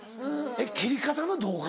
えっ切り方の動画？